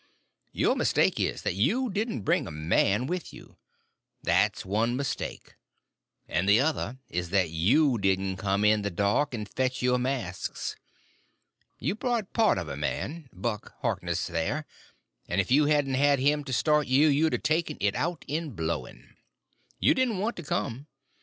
Your mistake is, that you didn't bring a man with you; that's one mistake, and the other is that you didn't come in the dark and fetch your masks. You brought part of a man—Buck Harkness, there—and if you hadn't had him to start you, you'd a taken it out in blowing. "You didn't want to come.